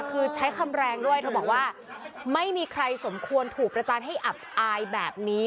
คือใช้คำแรงด้วยเธอบอกว่าไม่มีใครสมควรถูกประจานให้อับอายแบบนี้